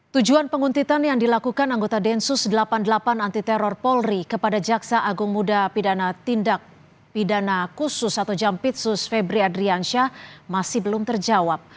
tujuan penguntitan yang dilakukan anggota densus delapan puluh delapan anti teror polri kepada jaksa agung muda pidana tindak pidana khusus atau jampitsus febri adriansyah masih belum terjawab